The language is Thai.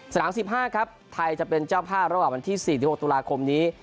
สนาม๑๕ครับไทยจะเป็นเจ้าภาพระหว่างวันที่๔๖ตุลาคมนี้